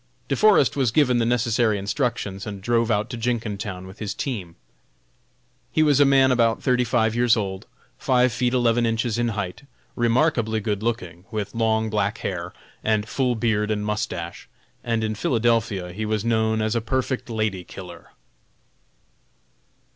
De Forest was given the necessary instructions, and drove out to Jenkintown with his team. He was a man about thirty five years old, five feet eleven inches in height, remarkably good looking, with long black hair, and full beard and mustache, and in Philadelphia he was known as a perfect "lady killer."